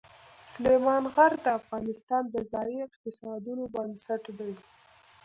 سلیمان غر د افغانستان د ځایي اقتصادونو بنسټ دی.